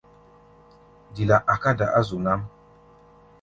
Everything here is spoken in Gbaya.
Dila a̧ká̧ da̧ á zu nám.